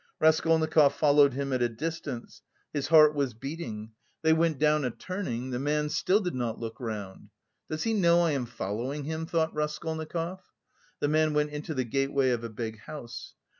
Raskolnikov followed him at a distance; his heart was beating; they went down a turning; the man still did not look round. "Does he know I am following him?" thought Raskolnikov. The man went into the gateway of a big house.